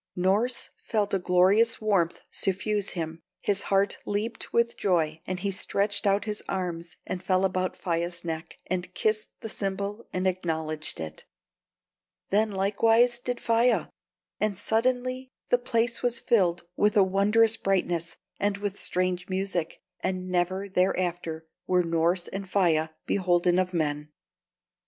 Norss felt a glorious warmth suffuse him, his heart leaped with joy, and he stretched out his arms and fell about Faia's neck, and kissed the symbol and acknowledged it. Then likewise did Faia; and suddenly the place was filled with a wondrous brightness and with strange music, and never thereafter were Norss and Faia beholden of men.